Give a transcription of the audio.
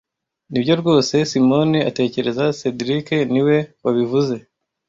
Nibyo rwose Simoni atekereza cedric niwe wabivuze